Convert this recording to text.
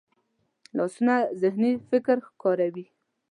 لاسونه ذهني فکر ښکاروي